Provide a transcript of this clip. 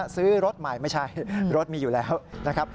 ซื้อรถใหม่ไม่ใช่รถมีอยู่แล้วนะครับ